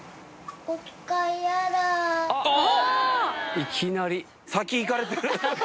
いきなり先行かれてる！